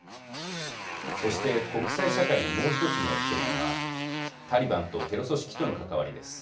そして国際社会のもう一つの懸念はタリバンとテロ組織との関わりです。